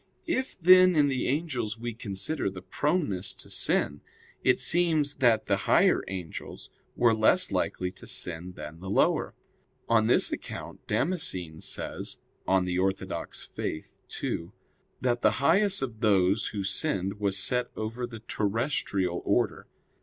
If, then, in the angels we consider the proneness to sin, it seems that the higher angels were less likely to sin than the lower. On this account Damascene says (De Fide Orth. ii), that the highest of those who sinned was set over the terrestrial order.